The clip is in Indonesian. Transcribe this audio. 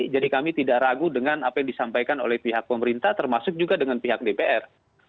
jadi kami tidak ragu dengan apa yang disampaikan oleh pihak pemerintah termasuk juga dengan pihak dpr